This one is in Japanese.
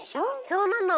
そうなの！